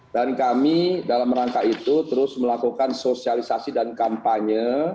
dan kami dalam rangka itu terus melakukan sosialisasi dan kampanye